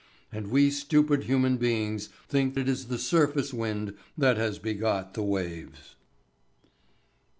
And we stupid human beings think it is the surface wind that has begot the waves.